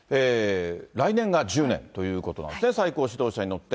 来年が１０年ということなんですね、最高指導者になって。